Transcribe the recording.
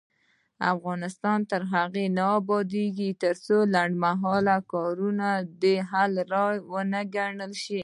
افغانستان تر هغو نه ابادیږي، ترڅو لنډمهاله کارونه د حل لاره وګڼل شي.